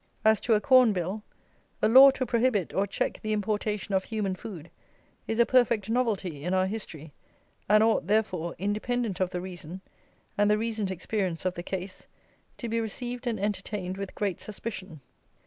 As to a Corn Bill; a law to prohibit or check the importation of human food is a perfect novelty in our history, and ought, therefore, independent of the reason, and the recent experience of the case, to be received and entertained with great suspicion.